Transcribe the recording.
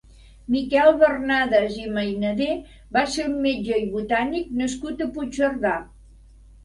Miquel Bernades i Mainader va ser un metge i botànic nascut a Puigcerdà.